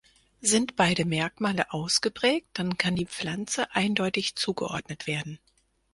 Sind beide Merkmale ausgeprägt, dann kann die Pflanze eindeutig zugeordnet werden.